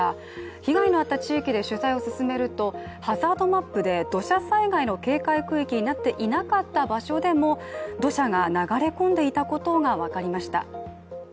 被害のあった地域で取材を進めるとハザードマップで土砂災害の警戒区域になっていなかった場所でも土砂が流れ込んでいたことが分かりました。